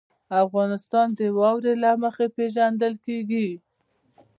افغانستان د واوره له مخې پېژندل کېږي.